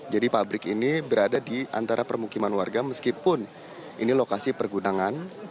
jadi pabrik ini berada di antara permukiman warga meskipun ini lokasi pergunangan